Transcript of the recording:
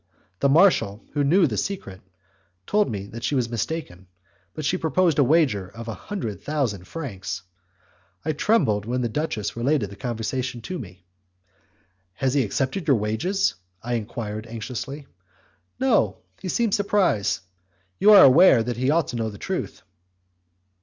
The marshal, who knew the secret, told her that she was mistaken; but she proposed a wager of a hundred thousand francs. I trembled when the duchess related the conversation to me. "Has he accepted your wages?" I enquired, anxiously. "No; he seemed surprised; you are aware that he ought to know the truth."